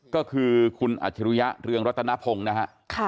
ก็คือคุณอัชรุยะเรืองรัตนภงนะครับ